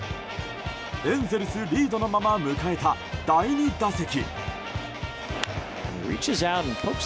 エンゼルスリードのまま迎えた第２打席。